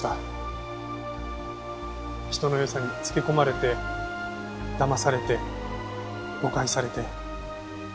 人の良さにつけ込まれて騙されて誤解されて。